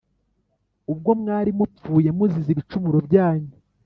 ubwo mwari mupfuye muzize ibicumuro byanyu